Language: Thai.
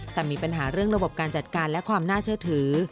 แต่มีปัญหาเรื่องระบบการจัดการและความน่าเชื่อถือ